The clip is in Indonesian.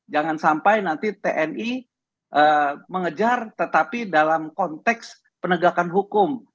jangan sampai nanti tni mengejar tetapi dalam konteks penegakan hukum